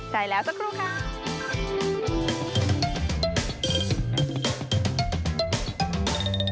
ใช่แล้วสักครู่ค่ะ